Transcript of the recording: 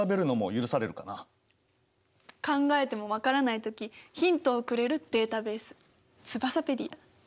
考えても分からない時ヒントをくれるデータベースツバサペディア！